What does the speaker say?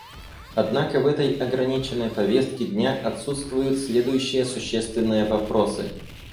Однако в этой ограниченной повестке дня отсутствуют следующие существенные вопросы.